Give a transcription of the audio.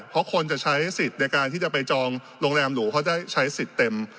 เพราะคนจะใช้สิทธิ์ในการที่จะไปจองโรงแรมหรูเขาจะใช้สิทธิ์เต็ม